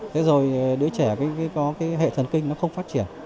thế rồi đứa trẻ có cái hệ thần kinh nó không phát triển